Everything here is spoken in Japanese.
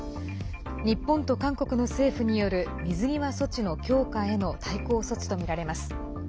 日本と韓国の政府による水際措置の強化への対抗措置とみられます。